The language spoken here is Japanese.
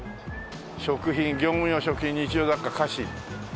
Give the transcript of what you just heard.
食品業務用食品日用雑貨菓子。